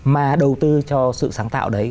mà đầu tư cho sự sáng tạo đấy